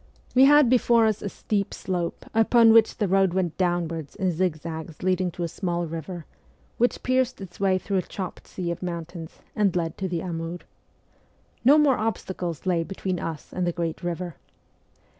"We had before us a steep 238 MEMOIRS OF A REVOLUTIONIST slope upon which the road went downwards in zig zags leading to a small river, which pierced its way through a chopped sea of mountains, and led to the Amur. No more obstacles lay between us and the great river.